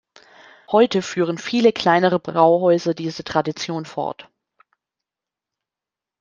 Heute führen viele kleinere Brauhäuser diese Tradition fort.